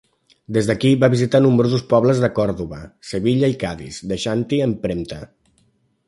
Des d'aquí va visitar nombrosos pobles de Còrdova, Sevilla i Cadis, deixant-hi empremta.